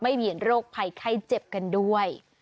ไม่มีโรคภัยไข้เจ็บกันด้วย